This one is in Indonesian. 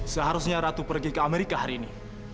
seharusnya ratu pergi ke amerika hari ini